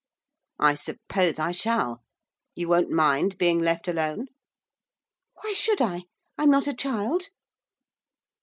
'I suppose I shall. You won't mind being left alone?' 'Why should I? I'm not a child.